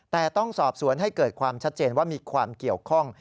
แต่ต้องสอบสวนให้เกิดความชัดเจนว่ามีความเกี่ยวข้อง